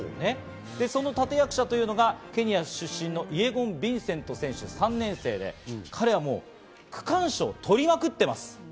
その立て役者というのがケニア出身のイェゴン・ヴィンセント選手、３年生で、彼は区間賞を取りまくっています。